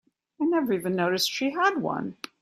I never even noticed she had one.